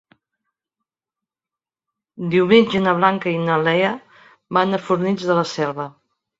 Diumenge na Blanca i na Lea van a Fornells de la Selva.